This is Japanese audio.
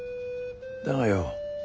だがよ